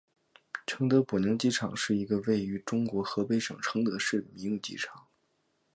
承德普宁机场是一个位于中国河北省承德市的民用机场。